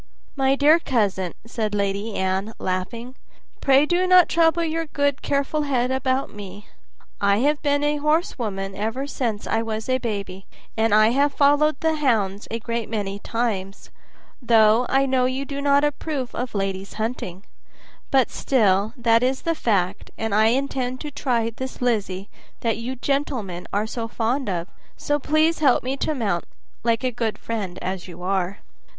"My dear cousin," said Lady Anne, laughing, "pray do not trouble your good careful head about me. I have been a horsewoman ever since I was a baby, and I have followed the hounds a great many times, though I know you do not approve of ladies hunting; but still that is the fact, and I intend to try this Lizzie that you gentlemen are all so fond of; so please help me to mount, like a good friend as you are."